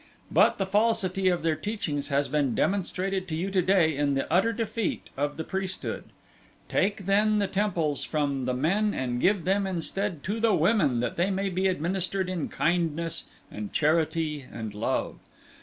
But the falsity of their teachings has been demonstrated to you today in the utter defeat of the priesthood. "Take then the temples from the men and give them instead to the women that they may be administered in kindness and charity and love.